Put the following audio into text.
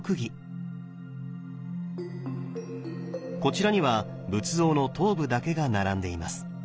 こちらには仏像の頭部だけが並んでいます。